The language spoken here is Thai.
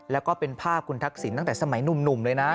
แล้วก็เป็นภาพคุณทักษิณตั้งแต่สมัยหนุ่มเลยนะ